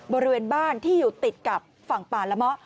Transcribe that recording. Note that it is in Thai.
บริเวณบ้านที่อยู่ติดกับฝั่งป่าละเมาะ